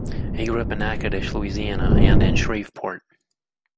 He grew up in Natchitoches, Louisiana and in Shreveport.